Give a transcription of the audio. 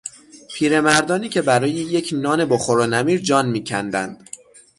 پیرمردانی که برای یک نان بخور و نمیر جان میکندند